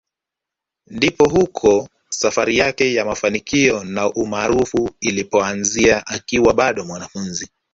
Ndipo huko safari yake ya mafanikio na umaarufu ilipoanzia akiwa bado mwanafunzi